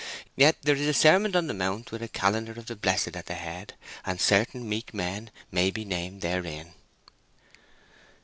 Yet there is a Sermon on the Mount with a calendar of the blessed at the head, and certain meek men may be named therein."